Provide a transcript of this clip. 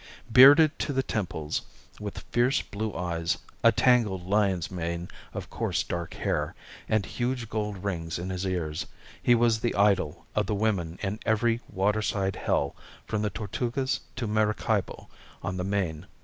Bearded to the temples, with fierce blue eyes, a tangled lion's mane of coarse, dark hair, and huge gold rings in his ears, he was the idol of the women in every waterside hell from the Tortugas to Maracaibo on the Main.